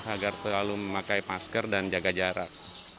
agar selalu memakai masker dan jaga jarak